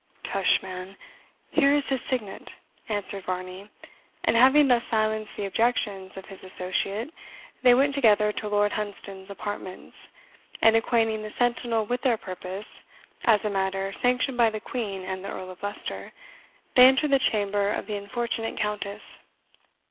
"Tush, man! here is his signet," answered Varney; and having thus silenced the objections of his associate, they went together to Lord Hunsdon's apartments, and acquainting the sentinel with their purpose, as a matter sanctioned by the Queen and the Earl of Leicester, they entered the chamber of the unfortunate Countess.